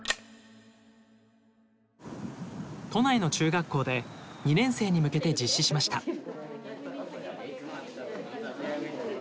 都内の中学校で２年生に向けて実施しました。